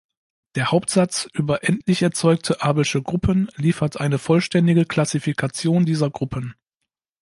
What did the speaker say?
Der Hauptsatz über endlich erzeugte abelsche Gruppen liefert eine vollständige Klassifikation dieser Gruppen.